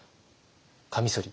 カミソリ